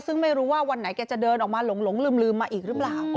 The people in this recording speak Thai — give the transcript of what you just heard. ซึ่งไม่รู้ว่าวันไหนแกจะเดินออกมาหลงลืมมาอีกหรือเปล่า